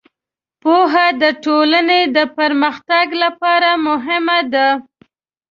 پوهه د ټولنې د پرمختګ لپاره مهمه ده.